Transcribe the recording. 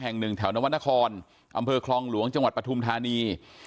แห่งหนึ่งแถวนวรรณครอำเภอคลองหลวงจังหวัดปฐุมธานี